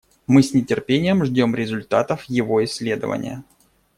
Мы с нетерпением ждем результатов его исследования.